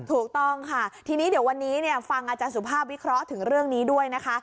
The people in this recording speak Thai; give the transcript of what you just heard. ถูกต้องค่ะทีนี้เดี๋ยววันนี้ฟังอาจารย์สุภาพวิเคราะห์ถึงเรื่องนี้ด้วยนะคะ